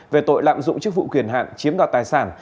về tội lạm dụng chức vụ quyền hạn chiếm đoạt tài sản